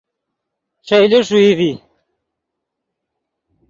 ݰئیلے ݰوئی ڤی